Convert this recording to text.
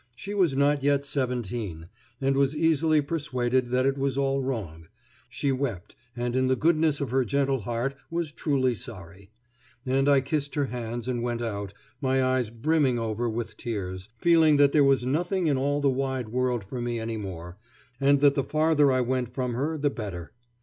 she was not yet seventeen, and was easily persuaded that it was all wrong; she wept, and in the goodness of her gentle heart was truly sorry; and I kissed her hands and went out, my eyes brimming over with tears, feeling that there was nothing in all the wide world for me any more, and that the farther I went from her the better.